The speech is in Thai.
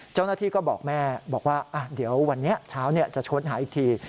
เจ้าหน้าที่ก็บอกแม่บอกว่าเดี๋ยววันนี้เช้าจะชดหาอีกที